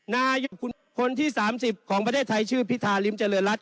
นายกคนที่๓๐ของประเทศไทยชื่อพิธาริมเจริญรัฐ